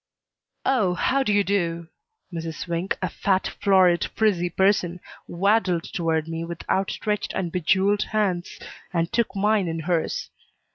"Oh, how do you do!" Mrs. Swink, a fat, florid, frizzy person, waddled toward me with out stretched and bejeweled hands, and took mine in hers.